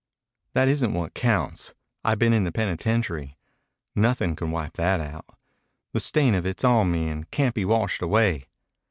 "That isn't what counts. I've been in the penitentiary. Nothing can wipe that out. The stain of it's on me and can't be washed away."